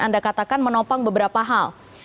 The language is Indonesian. anda katakan menopang beberapa hal